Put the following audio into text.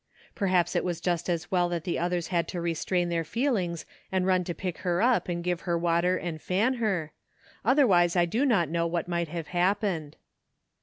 Perhaps it was just as well that the others had to restrain their feelings and run to pick her up and give her water and fan her, otherwise I do not know what might have happened.